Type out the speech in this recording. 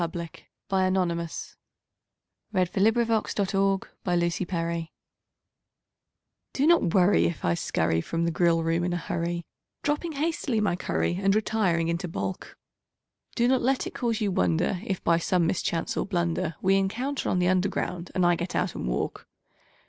CUPID'S DARTS (Which are a growing menace to the public) Do not worry if I scurry from the grill room in a hurry, Dropping hastily my curry and re tiring into balk ; Do not let it cause you wonder if, by some mischance or blunder, We encounter on the Underground and I get out and walk.